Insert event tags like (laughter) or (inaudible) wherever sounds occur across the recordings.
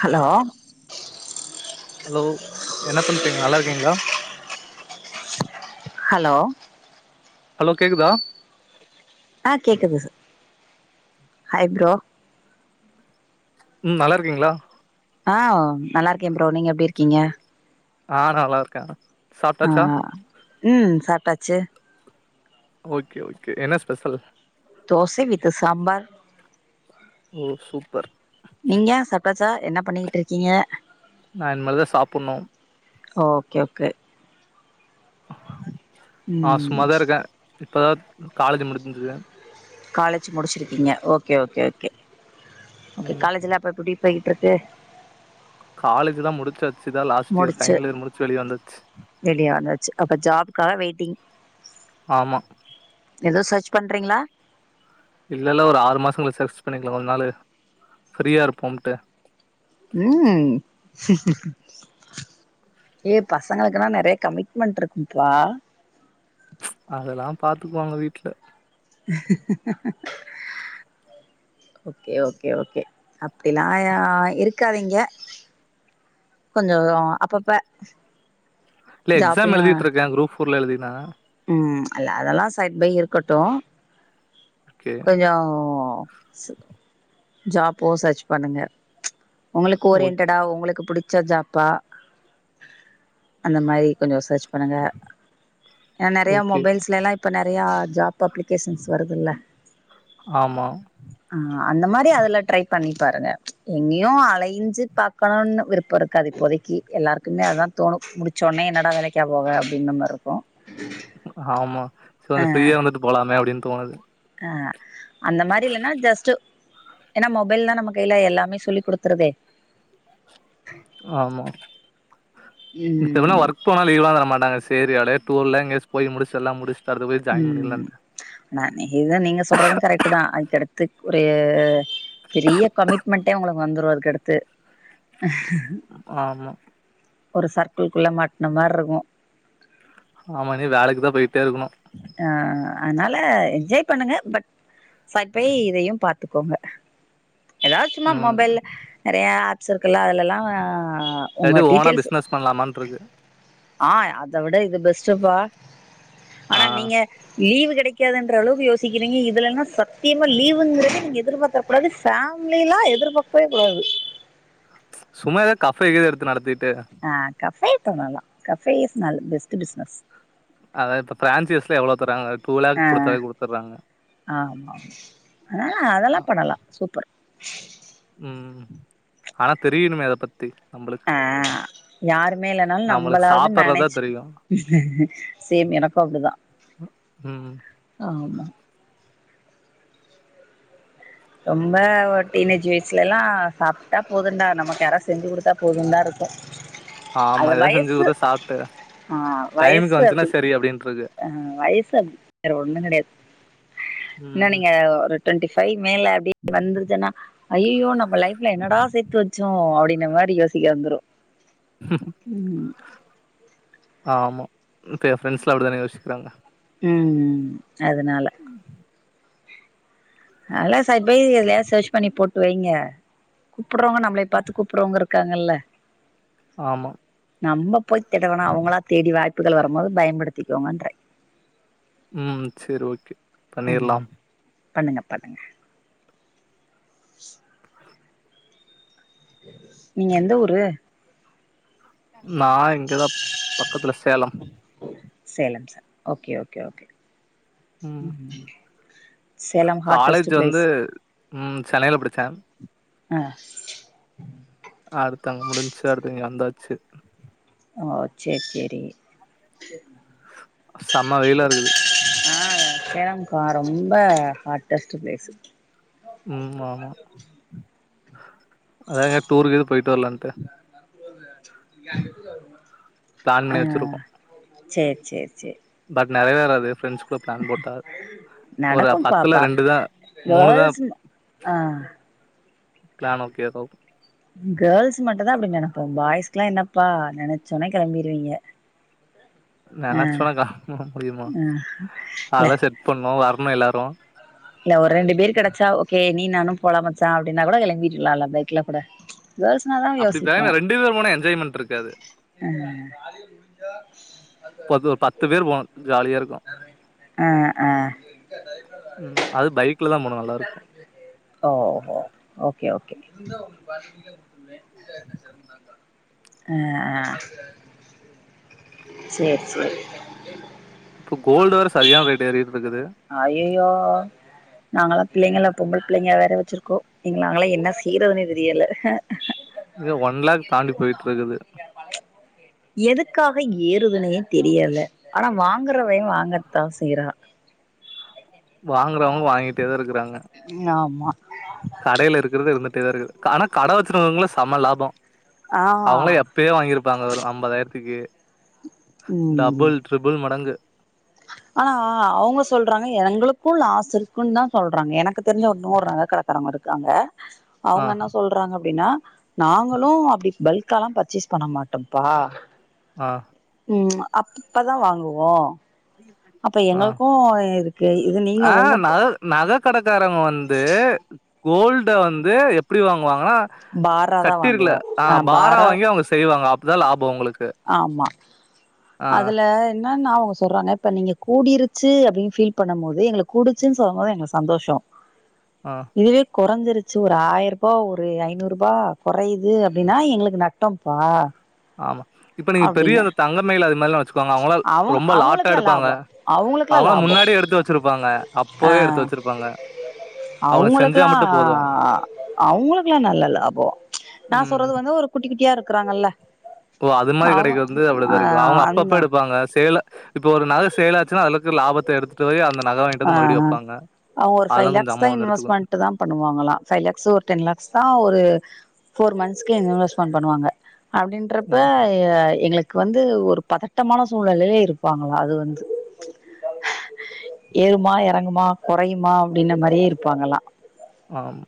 Hello hello என்ன பண்றீங்க நல்லா இருக்கீங்களா ஹலோ ஹலோ கேக்குதா ஆ கேக்குது ச ஹாய் ப்ரோ ம் நல்லா இருக்கீங்களா ஆ நல்லா இருக்கே ப்ரோ நீங்க எப்படி இருக்கீங்க ஆ நல்லா இருக்கே ஆ சாப்ட்டாச்சா ம் சாப்ட்டாச்சு ஓகே ஓகே என்ன ஸ்பெஷல் தோசை வித் சாம்பார் ஓ சூப்பர் நீங்க சப்டாச்சா என்ன பண்ணிகிட்டு இருக்கீங்க நா இனிமேல்தா சாப்புட்ணு ஓ ஒகே க (unintelligible) நா ம் சும்மாதா இருக்கே இப்பதா காலேஜ் முடிஞ்சது காலேஜ் முடிச்சிருக்கீங்க okay okay okay okay ம் காலேஜ் எல்லா இப்ப எப்படி போயிட் ட்ருக்கு காலேஜ்லா முடிச்சச் சிதா லாஸ்ட் இயர் முடிச்சு பைனல் இயர் முடிச்சு வெளிய வந்துச்சு வெளிய வந்தாச்சு அப்ப ஜாப்க்காக வெயிட்டிங் ஆமா ஏதோ சர்ச் பண்றீங்களா இல்லல்லா ஒரு ஆறு மாச கழிச்சி சர்ச்சஸ் பண்ணிக்கலா கொஞ்சோ நாளு ஃப்ரீயா இருப்போம்டு ம் ஏ பசங்களுக்குன்னா நெறைய கமிட்மெண்டட் இருக்குப்பா அதெல்லா பாத்துகுவாங்க வீட்ல ஓகே ஓகே ஓகே அப் ப்டிலா யா இருக் இருக்காதீங்க கொஞ்சோ அப்பப்ப இல்ல எக்ஸாம் ஜாப்லயு எழுதிட்ருக்கே குரூப் பொருள் எழுதினா ம் அல்ல அதெல்லா சைட் பை இருக்கட்டு ஓகே கொஞ்சோ (unintelligible) ஜாப்போ சர்ச் பண்ணுங்க உங்களுக் ஓ ஓரியன்டடா உங்களுக் பிடிச்ச ஜாப் பா அந்த மாரி கொஞ்சோ சர்ச் பன்னுங்க ஏன்னா நறையா ஓகே மொபைல்ஸ்லலா இப்போ நெறையா ஜாப் பப்ளிகேஷன்ஸ் வருதுல்ல ஆமா ஆ அந்த மாரி னேஅதுல ட்ரை பண்ணி பாருங்க எங்கேயு அலைஞ்சு பாக்கணுனு விருப்போ இருக்காது இப்போதைக்கு எல்லாருக்குமே அதா தோணு முடிச்சோனே என்னடா வேலைக்கா போவ அப்டின்ற மாரி இருக்கு ஆமா சோ ஃப்ரீயா வந்துட்டு போலாமே அப்டின்னு தோனுது அ அந்த மாரி இல்லனா ஜஸ்ட் ஏன்னா மொபைல் ரா நம்ம கைல எல்லாமே சொல்லி் குடுத்துருதே ஆமா இப்ப எனா ம் ஒர்க் போன லீவ்லா தர மாட்டாங்க சி ஏரியால டூர்லா எங்கயாச்சு போய்முடிச்ச எல்லா முடிச்சு உ ஆன இருந்தாலு நீங்க சொல்றது கரெக்ட் தா அதுக்கடுத் த்துக்குறைய பெரிய கமிட்மெண்ட் டே உங்களுக்கு வந்துரு அதுக்கடுத்து ஆமா (inaudible) ஒரு சர்க்கிள்குள்ள மாட்ன மாரி இருக்கு ஆமா இனி வேலைக்கு தா போய்ட்டே இருக்கணு ஆ அனால என்ஜாய் பண்ணுங்க பட் சட்பை இதையு பாத் த்துக்கோங்க ஏதாவ் சும்மா ம் மொபைல் நறையா குல்ல அதுலல்லா உங்க இல்லாட்டி ஓனா டீட்டெய்ல்ஸ் பிசினஸ் பண்ணலாமான்ருக்கு ஆ அத விட இது பெஸ் ஸ்டபா ஆ ஆனா நீங்க லீவுக கடைக்காதுன்ற அளவுக் யோசிக்கிறீங்க இதுலல்லா சத்தியமா லீவுங்கரதே நீங்க எதிர்பார்க கூடாது ஃபேமலிலா எதிர்பார்க்கவே கூடாது சும்மாதா கஃபே இது எடுத்து நடத்து ஆ கஃபே பண்ணலா கஃபே இஸ் நல் பெஸ்ட்டு பிசுனஸ் அத இப்ப பிரான்சிஸ்ல எவ்வளவு தர்றாங்க டூ லேக் குடுத்தாலே குடுத்துர்றாங்க ஆ ஆ அதெல்லா பண்ணலா சூப்பர் சஹ (inaudible) ம் ஆனா தெரியணுமே அத பத்தி நம்பளுக்கு ஆ யாருமே இல்லனாலு நம்மளுக்கு நம்மளாவது சாப்பட்றதா மேனேஜ் தெரியு சேம் எனக்கு அப்டிதா ம் ஆமா ரொம்ப டீனேஜ் வயசுல எல்லா சாப்ட்டா போதுண்டா நமக்கு யார செஞ்சு குடுத்தா போது தா இருக்கு ஆமா அது ஏதாவது செஞ்சு வயசு குடுத்து சாப்ட்டு ஆ டைமுக்கு வயசு வந்துச்சுன்னா அப்டி சரி அப்டின்ட்ருக்கு ஆ வயசு அப்டி வேற ஒன்னு கெடயாது என்ன ம் நீங்க டொன்டிவைவ் மேல அப்டி வந்துருச்சுனா அய்யோ நம் லைப்ல என்னடா சேத்து வெச்சோ அப்டின்னு இந்த மாரி யோசிக்க வந்துரு உம் ஆமா இப்ப எ ஃப்ரெண்ட்ஸ்லா அப்டிதான யோசிக்குறாங்க உம் உம் அதனால நல்லா சஜ்பை எதுலயது சர்ச் பண்ணி போட்டு வைங்க கூப்புருறவங்க நம்மள பாரத்து கூப்புருறவங்க இருக்காங்கல்ல ஆமா நம்ம போய் தேடவனா அவுங்களா தேடி வாய்ப்புகள் வரும்போது பயன்படுத்திக்கோங்கன்றே உம் செரி ஓகே ம் பண்ணிறலாம் பண்ணுங்க பண்ணுங்க (inaudible) நீங்க எந்த ஊரு நா இங்கதா பக்கத்ல Salem Salem sir okay okay okay உ சேலம் ஹாட்டஸ்ட் காலேஜ் பிளேஸ் வந்து உ சென்னையில படிச்சே ம் ஆ அடுத்து அங்க முடிஞ்சு அடுத்தங்க வந்தாச்சு ஓ சரி சரி செமா வெயிலா இருக்குது ஆ சேலம்கா ரொம்ப ஹாட்டஸ்ட்டு பிளேஸு உ ஆமா அதாங்க டூர் கிரு போயட்டு வரலான்டு பிளான் ஆ பண்ணி வச்சிருக்கோம். சேரி சேரி சேரி பட் நெறைவேறாது ஃப்ரெண்ஸ் கூட பிளான் போட்டா ஒரு நடக்கு பாப்பா தான் தான் கேல்ஸ்ன ஆ பிளான் ஒகே த கேல்ஸ் மட்டுந்தா அப்டி நனப்போ பாய்ஸ்க்லா என்னப்பா நெனச்சோனே கெளம்பிருவீங்க ஆ நனச்சோனே கா முடியுமா ஆ இல்ல அதெல்லா செட் பண்ணு வர ம்ம எல்லாரு இல்ல ஒரு ரெண்டு பேர் கடச்சா ஓகே நீ நானு போலாமச்சா அப்படின்னா கூட கிளம்பிக்கலால இல்ல பைக்ல கூட கேர்ள்ஸ்னா தா அப்படி பே யோசிப்போ ரெண்டு பேர் போனா என்ஜாய்மென்ட் இருக்காது ஆ பத்து பேர் போனு ஜாலியா இருக்கு ஆ ஆ ம் அது பைக்ல தா போனோ நல்லா இருக்கு ஓ ஓ ஓகே ஓகே ஆ ஆ சேரி சேரி இப்போ கோல்ட் வேற சரியான ரேட் ஏறிர்க் அயயோ நாங்களா பிள்ளைங்கள பொம்பள பிள்ளைங்க வேற வச்சிருக்கோ நீங்க நாங்களா என்ன செய் இங்க ஒன் லேக் தாண்டி போயிட்ருக்குது எதுக்காக ஏறுதுனே தெரியல ஆனா வாங்குறவே வாங்கத்தா செய்றா வாங் குரவங்க வாங்கிட்டே தா இருக்குறாங்க ஆமா கடையில இருக்கறத இருந்துட் தா இருக்குது ஆனா கட வச்சிருவங்களா செம லாபோ ஆ அவங்களா எப்பயே வாங்கியிருப்பாங்க ஒரு ஐம்பதாயிரத்துக்கு ம் டபுள் ட்ரிபுள் மடகு ஆனா அவுங்க சொல்றாக எ எங்களுகு லாஸ் சரிகனு தா சொல்றாங்க எனகு தெரிஞ்ச ஒரு நூறு நக கடகாறங்க இருகாங்க ஆ அவங்க என்ன சொல்றாங்க அப்டினா நாங்களு அப்டி பல்கலா பர்சேஸ் பண்ண மாடோம்பா ஆ ம் அப்பப்பதா வாங்குவோ அப்ப ஆ எங்களுகு இருக்கு இது நீங்க உங்க க்காரங்க வந்து கோல்ட வந்து எப்டி வாங் (unintelligible) பாரா தா வாங்குவ கடிருகல ஆ பாரா வாங்கி அவங்க செய்வாங்க அபதா லாபம் உங்களுகு ஆமா அதுல என்ன நா அவங்க சொல்றாங்க இப்ப நீங்க கூடிருசு அபடினு ஃபீல் பண்ணும் போது எங்கள கூடுசுனு சொல்லு போது எங்களுகு சந்தோஷ ஆ இதுவே குறஞ்சிருசு ஒரு ஆயிரூபா ஒரு ஐநூறு ரூபா குறையுது அப்டினா எங்களுக்கு நடம்பா ஆமா இப்ப நீங்க பெரிய அந்த தங்கமயில் அது மாரிலா வச்சுக்குவாங்க அவங்களா அவங்க ரொம்ப லாட்டா அவங்களுகுலா எடுப்பாங்க லாபம் அவங்களுகுலா அவங்களா லாபம் முன்னாடியே எடுத்து வச்சிருப்பாங்க அ அப்பவே எடுத்து வச்சிருப்பாங்க அவங்களுக்கு செஞ்சா அவங்களுகுலா மட்டு போது அவங்களுகுலா நல்ல லாபம் நா ம் சொல்றது வந்து ஒரு குட்டி குட்டியா இருக் க்கிறாங்களா ஓ அது மாரி கடைகு வந்து அப்படிதா இருக்கு அவங்க அப்பப்ப அந்த எடு இருபாங்க சேல இப்ப ஒரு நகை செலாசுனா அது (unintelligible) லாபத எடுதுடு போய் அந்த நக வாங்கிட்டு ஆ வந்து மறுபடியு ஆ வப்பாங்க அவங்க ஒரு பைவ் அதெல்லா கொஞ்ச லெக்ஸ் தா அம்மா வந்து எடுத்துக்கு இன்வஸ்மென்ட் தா பணுவாங்களா பைவ லேக்ஸ் ஒரு டென் லேக்ஸ் தா ஒரு போர் மந்ஸ்கு இன்வெஸ்ட்மென்ட் பணுவாங்க அப்டின்றப ஓ எ எங்களுக் கு வந்து ஒரு பதடமான சூழ்நிலையிலே இருபாங்களா அது வந்து ஏறுமா இறங்குமா குறயுமா அபடின மாரியே இருபாங்கலா ஆமா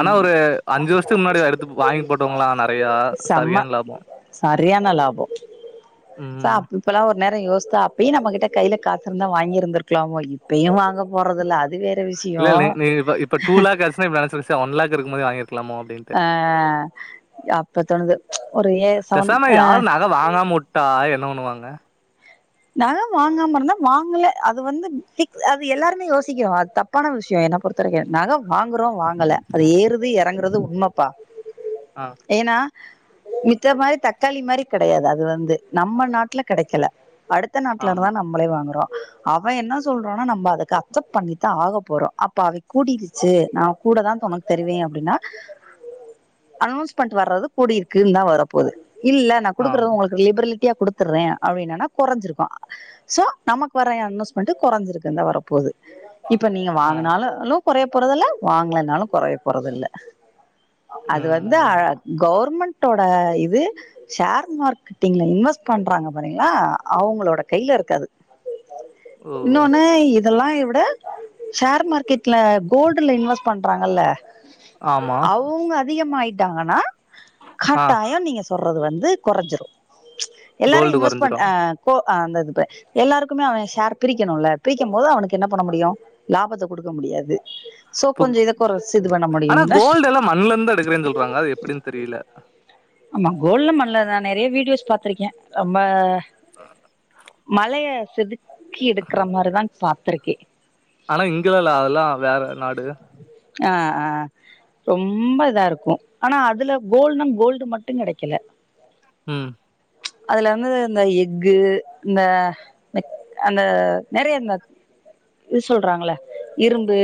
ஆனா ஒரு அஞ்சு வருஷதுகு முனாடி எடுது வாங்கி போடவங்களா நெறய செம்ம சரியான லாபம் சரியான லாபோ ம் சோ அப்படியே நம கிட கையில காசு இருந்தா வாங்கிருந்திருக் லாமோ இப்பயு வாங்க போறதில்ல அது வேற இல விஷயோ நீப்ப இப்ப டூ லேக் ஆச்சு இப்ப நினச ஒன் லேக் இருகும்போது வாங்க அ அப்பதோணுது ஒரு ஏழு சவ அ ட்டா என்ன பணுவாங்க நகை வாங்காமருந்தா வாங்கல அது வந்து அது எலாருமே யோசிகறோ அது தபான விஷயோ என பொறுதவரக்கு நக வாங்குறோ வாங்கல அது ஏறுது எறங்கறது உண்மப்பா ஆ ஏனா மித்த மாரி தக்காளி மாரி கடையாது அது வந்து நம்ம நாட்ல கடக்கல அடுத்த ஆமா நாட்டலருந்தா நம்மளே வாங்குறோ அவே என்ன சொல்றானோ நம்ம அதுக்கு அக்சப்ட் பண்ணித்தா ஆக போறோ அப்ப அவ கூடிருச்சு நா கூடதா ஒனக் தருவே அப்டினா அனோன்ஸ் பண்ட்டு வர்றது கூடியிருக்குந்தா வரப்போது இல்ல நா ஆ குடுக்குறது உங்களுக்கு லேபர்லி த்யா குடுத்துற்ரே அப்டின்னானா குறஞ்சிருக்கோ சோ நமக்கு வர யன்வஸ்மெண்ட் குறஞ்சிருக்குதா வரப்போது இப்ப நீங்க ஆ வாங்குனாளளு கொறய போறதில்ல வாங்கலனாலு கொறய போறதில்ல அது ம் வந்து ஆமா ஆகவுர்மெண்ட் ட்டோட இது ஷேர் மார்க்கெட்டிங்ல இன்வெஸ்ட் பண்றாங்க பாரீங்களா அவங்களோட கைல இருக்கது ஓ இன்னொனு இத் இதல்லாய விட ஷேர் மார்க்கெட்ல கோல்டுல இன்வெஸ்ட் பண்றாங்கல்ல ஆமா அவுங்க அதிகமாயி டாங்கனா ஆ கட்டாயோ நீங் சொ தொர்றது வந்து கொரஞ்சுரு எல்லாரு கோல்டு இன்வெஸ்ட் பண் கொறஞ்சிரு அ அந்த இதுப எல்லாருக்குமே அவ ஷேர் பிரிக்கணுல பிரிக்குமோது அவனுக்கு என்ன பண்ண முடியு லாபத்த குடுக்க முடியாது சோ இப் கொஞ்சம் இதை குறைச்சு இது பண்ண ஆனா முடியும்ல கோல்டுல்லா மண்லந்து எடுக்கறே சொல்றாங்க அது எப்டின் தெரில ஆமா கோல்ல மண்லதா நா நெறய வீடியோஸ் பாத்திருக்கே அம்ப உ மலைய செது கீ எடுக்கற மார்தா பாத்துருக் கி ஆனா இங்கல்லா இல்ல அதல்லா வேற நா டு ஆ ஆ ரொம்ப இதா இருக்கு ஆனா அதுல கோல்டுனா கோல்டு மட்டுங் கெடைக்கல ம் அதுல வந்து இந்த எஃகு இந்த ந்த அந்த நெறைய இந்த இது சொல்றாங்கல்ல இரும்பு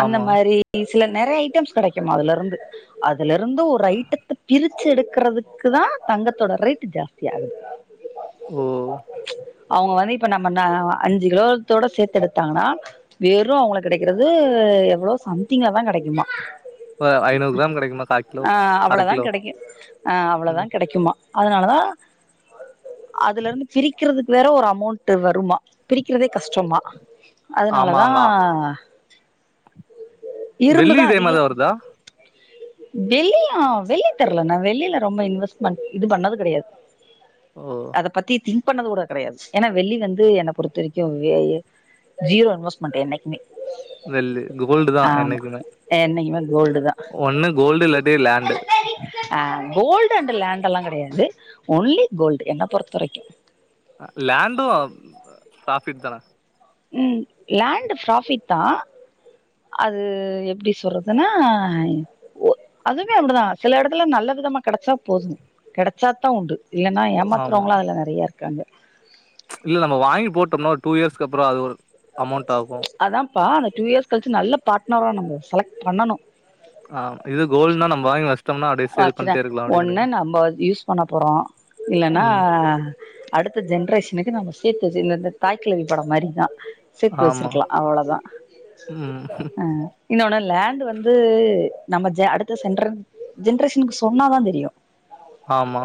அந்த ஆமா மாரி சில நெறைய ஐட்டம்ஸ் கெடைக்குமா அதுலிருந்து அது ல இருந்து ஒரு ஐட்டத்த பிரி ச்சு எடுக்கறதுக்குதா தங்கத்தோட ரேட்டு ஜாஸ்தி ஆகுது ஓ அவுங்க வந்து இப்ப நம்ம இந்த அஞ்சு கிலோத்தோட சேத்து எடுத்தாங்கனா வெறு அவங்களுக்கு கெடைக்கறது இது எவ்ளோ சம்திங்காதா கெடைக்குமா அஹ் ஐநூறு கிராம் கெடைக்குமா கா கிலோ அ ஆ ஆ அர அவ்வளதா கிலோ கெடைக்கு ஆ அவ்வளதா ம் கெடைக்குமா அதனாலதா அதுல இருந்து பிரிக்கிறதுக்கு வேற ஒரு அமௌண்ட் வருமா பிரிக்கிறதே கஷ்டமா அதனாலதா ஆமாங்கா வெள்ளி இதே மாரிதா வருதா? வெள்ளியு வெள்ளி தெர்ல நா வெள்ளில ரொம்ப இன்வெஸ்ட்மென்ட் இது பண்ணது கெடையாது ஓ அத பத்தி திங் க் பண்ணது கூட கெடையாது. ஏன்னா வெள்ளி வந்து என்ன பொறுத்தவரைக்கு வே ஜீரோ இன்வெஸ்ட்மென்ட்டு என்னைக்குமே வெள்ளி கோல்டுதா ஆமா என்னைக்குமே என்னைக்குமே கோல்டு தா ஒண்ணு கோல்டு இல்லாட்டி லேண்டு ஆ கோல்டு அண்ட் லேண்ட் எல்லா கெடையாது ஒன்லி கோல்டு என்ன பொறுத்தவரைக்கு அ லேண்டு பிராஃபிட்தான ம் லேண்டு ப்ராஃபிட்தா அது எப்டி சொல்றதுன்னா ஒ அதுமே அப்பிடிதா சில எடத்துல நல்ல விதமா கெடைச்சா போது கெடைச்சாத்தா உண்டு இல்லன்னா ஆமா ஏமாத்துறவங்களு அதுல நெறைய இரு க்காங்க இல்ல நம்ம வாங்கி போட்டோம்னா ஒரு டூ இயர்ஸ்க்கு அப்புறோ அது ஒரு அமௌண்ட் ஆகு ப்பா அந்த டூ இயர்ஸ் கழிச்சு நல்ல பார்ட்னரா நம்ப செலக்ட் பண்ணனு ஆமா இது கோல்டுனா நம்ம வாங்கி வச் வச்சுட்டா ஒன்னு நம்ப யூஸ் பண்ண போறோ இல்லனா ம் அடுத்த ஜென்ரேஷனுக்கு நம்ம சேத்து வெச்சு இந்த இந்த தாய்கெழவி படோ மாரிதா சேத்து ஆமா வச்சுருக்கலா அவ்வளவுதா ம் ஆ இன்னொன்னு லேண்டு வந்து நம்ம ஜ அடுத்த சென்ட்ரன் ஜென்ரேஷனுக்கு சொன்னாதா தெரியு ஆமா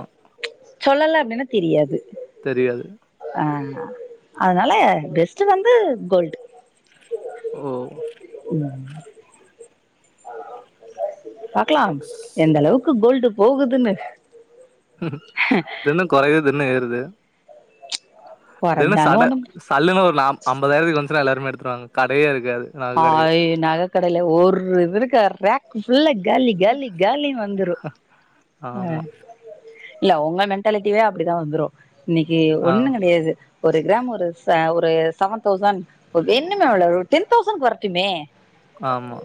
சொல்லல அப்படின்னா தெரியாது தெரியாது ஆ அதனால பெஸ்டு வந்து கோல்டு ஓ ஆம் பாக்கலாம் எந்த அளவுக்கு கோல்டு போகுதுன்னு இது என்ன குறைது இன்னு ஏறுது தின கொறஞ்சாலு சட ஒண்ணும் சல்லுனு ஒரு நாப் ஐம்பதாயிரத்தக்கு வந்துச்சுன்னா எல்லாருமே எடுத் (unintelligible) கடையா இருக் அய் நகை கடையில ஒரு இது இருக்க ராக் ஃபுல்லா காலி காலி காலி வந்துரு ஆ ஆமா இல்ல உங்க மென்டாலிட்டியே அப்படிதா வந்துரு இன்னைக்கு ஆ ஒண்ணு கிடையாது ஒரு கிராம் ஒரு ச ஒரு செவன் தௌசண்ட் ஒரு வேணுமே ரூட்டின் தௌசண்க்கு வரட்டுமே ஆமா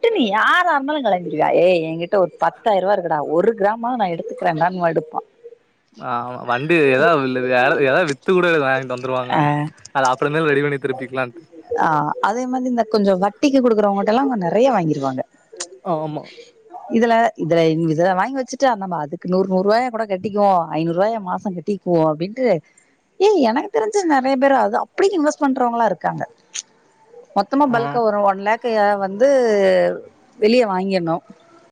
(unintelligible) யாரா இருந்தாலு கலாச்சிடுவியா எய் எனங்கிட் ட ஒரு பத்தாயிரம் ரூபா இருக்குடா ஒரு கிராம நா எடுத்துக்கிறேன் டா எடுப்பா ஆமா வண்டி ஏதாவது எத ஏதாவது வித்து கூட வாங்கிட்டு வந்துருவாங்க அது அப்புறமல ரெடி பண்ணி திருப்பிக்கலாம்ட்டு ஆ அதே மாரி இந்த கொஞ்சோ வட்டிக்கு குடுக்குறவங்க ட எல்லா அவங்க நெறைய வாங்கிருவாங்க ஆமா இதுல இதுல இததுல வாங்கி வச்சுட்டு நம்ப அதுக்கு நூறு நூறு ரூபாயா கூட கட்டிக்குவோ ஐநூறு ரூபாயா மாசகட்டிவோ அப்படின்னுட்டு ஏய் எனக்கு தெரிஞ்ச நெறைய பேர் அது அப்படி இன்வெஸ்ட் பண்றவங்களா இருக்காங்க மொத்தமா ஆ பல்க்க வரு ஒன் லேக்கு வந்து து வெளியே வாங்கணு